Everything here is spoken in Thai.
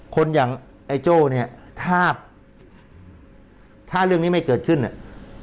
คนอย่างไอ้โจ้เนี่ยถ้าถ้าเรื่องนี้ไม่เกิดขึ้นเนี่ย